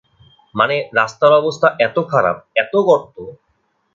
মানে রাস্তার অবস্থা এত খারাপ, এত গর্ত!